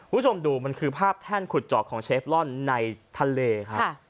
คุณชมดูมันคือภาพแท่นขุดเจาะของเชฟร่อนในทะเลค่ะค่ะ